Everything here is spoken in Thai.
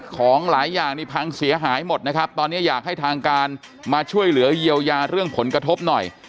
ของหลายอย่างนี่พังเสียหายหมดนะครับตอนนี้อยากให้ทางการมาช่วยเหลือเยียวยาเรื่องผลกระทบหน่อย